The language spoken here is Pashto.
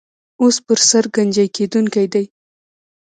اوس پر سر ګنجۍ کېدونکی دی.